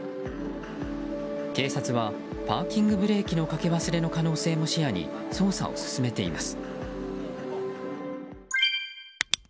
警察はパーキングブレーキのかけ忘れの可能性も視野に捜査を進めています。